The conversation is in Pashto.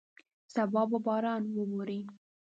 سبا به باران ووري.